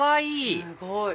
すごい！